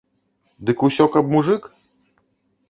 Дык усё каб мужык?